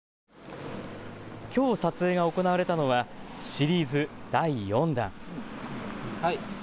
きょう撮影が行われたのはシリーズ第４弾。